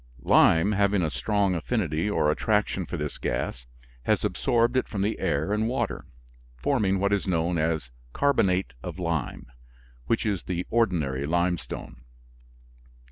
Lime, having a strong affinity or attraction for this gas, has absorbed it from the air and water, forming what is known as carbonate of lime which is the ordinary limestone.